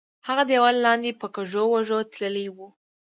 هغه دیوال لاندې په کږو وږو تللی وو.